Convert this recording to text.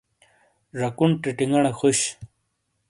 ژاکون ٹیٹینگاڑے خوش۔